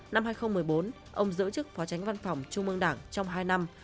năm hai nghìn một mươi bốn ông giữ chức phó tránh văn phòng trung mương đảng trong hai năm